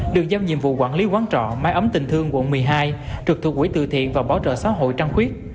được giam nhiệm vụ quản lý quán trọ mái ấm tình thương quận một mươi hai trực thuộc quỹ tư thiện và báo trợ xã hội trăng khuyết